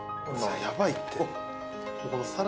やばいって。